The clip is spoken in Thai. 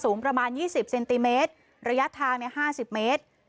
สูงประมาณยี่สิบเซนติเมตรระยะทางเนี่ยห้าสิบเมตร